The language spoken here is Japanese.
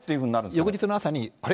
翌日の朝に、あれ？